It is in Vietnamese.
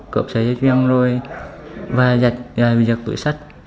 cướp sợi dây chuyên rồi và giật tuổi sách